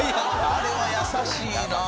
あれは優しいなあ。